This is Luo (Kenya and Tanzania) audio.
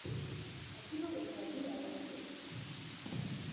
Akuno pesa adi yawa koro?